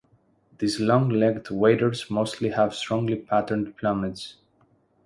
These long-legged waders mostly have strongly patterned plumage.